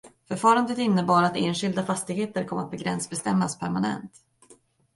Förfarandet innebar att enskilda fastigheter kom att gränsbestämmas permanent.